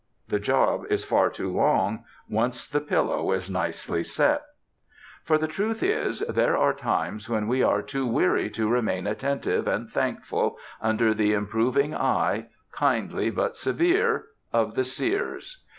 The job is far too long, once the pillow is nicely set. For the truth is, there are times when we are too weary to remain attentive and thankful under the improving eye, kindly but severe, of the seers.